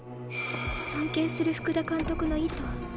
尊敬する福田監督の意図